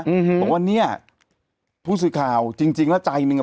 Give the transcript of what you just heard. อือฮือแต่ว่าเนี่ยพูดสื่อข่าวจริงแล้วใจหนึ่งอะ